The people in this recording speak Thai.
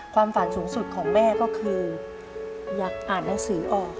ความฝันสูงสุดของแม่ก็คืออยากอ่านหนังสือออก